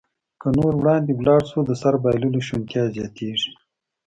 که نور وړاندې ولاړ شو، د سر بایللو شونتیا زیاتېږي.